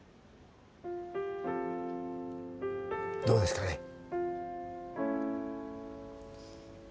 どうですかね？